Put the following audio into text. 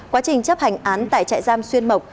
quá trình chấp hành án tại trại giam xuyên mộc